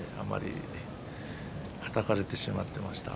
はたかれてしまっていました。